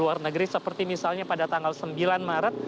luar negeri seperti misalnya pada tanggal sembilan maret